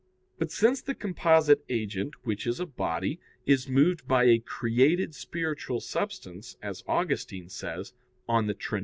But since the composite agent, which is a body, is moved by a created spiritual substance, as Augustine says (De Trin.